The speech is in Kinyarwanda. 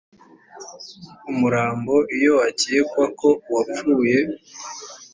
umurambo iyo hakekwa ko uwapfuye